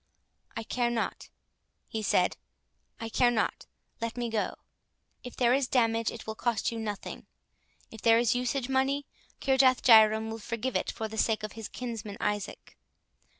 "I care not," he said, "I care not—let me go. If there is damage, it will cost you nothing—if there is usage money, Kirjath Jairam will forgive it for the sake of his kinsman Isaac.